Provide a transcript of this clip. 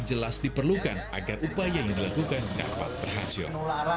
jelas diperlukan agar upaya yang dilakukan dapat berhasil